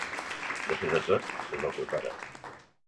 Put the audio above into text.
Després de tot, és el teu pare.